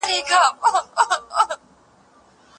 ایا کورني سوداګر شین ممیز پلوري؟